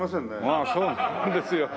ああそうなんですよ